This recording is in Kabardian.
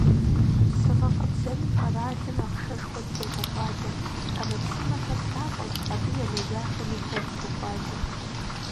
Псы гъэкъэбзэным къэралым ахъшэшхуэ трегъэкӀуадэ: Ӏэмэпсымэхэр лъапӀэщ, абы елэжьахэми куэд токӀуадэ.